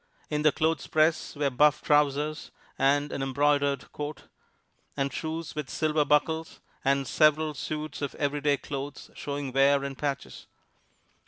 In the clothespress were buff trousers and an embroidered coat, and shoes with silver buckles, and several suits of every day clothes, showing wear and patches.